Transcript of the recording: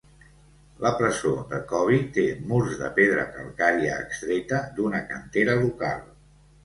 La presó de Coby té murs de pedra calcària extreta d'una cantera local.